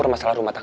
ri dengar aku ya